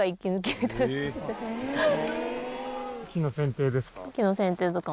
木の剪定ですか？